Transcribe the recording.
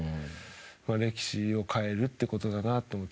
歴史を変えるということだなと思って。